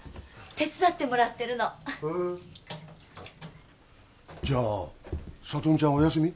手伝ってもらってるのへえじゃあ聡美ちゃんお休み？